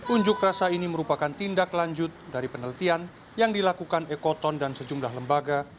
unjuk rasa ini merupakan tindak lanjut dari penelitian yang dilakukan ekoton dan sejumlah lembaga